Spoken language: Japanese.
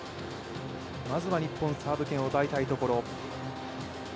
まずは日本、サーブ権を奪いたいところ。